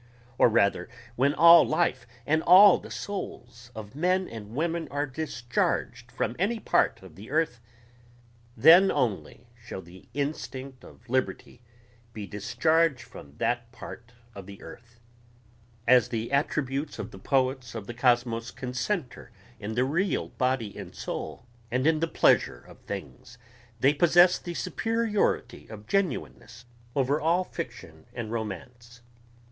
or rather when all life and all the souls of men and women are discharged from any part of the earth then only shall the instinct of liberty be discharged from that part of the earth. As the attributes of the poets of the kosmos concentre in the real body and soul and in the pleasure of things they possess the superiority of genuineness over all fiction and romance.